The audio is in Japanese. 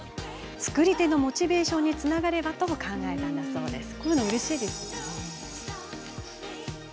作り手のモチベーションにつながればと考えたそうです。